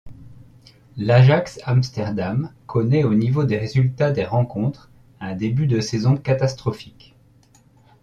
L'Ajax Amsterdam connait au niveau des résultats des rencontres, un début de saison catastrophique.